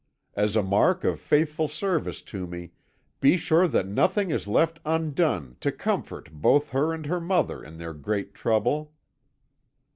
As a mark of faithful service to me, be sure that nothing is left undone to comfort both her and her mother in their great trouble.'